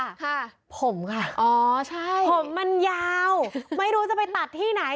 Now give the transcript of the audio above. ค่ะผมค่ะอ๋อใช่ผมมันยาวไม่รู้จะไปตัดที่ไหน